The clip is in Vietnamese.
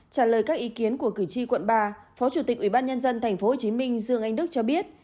trả lời các ý kiến của cử tri quận ba phó chủ tịch ubnd tp hcm dương anh đức cho biết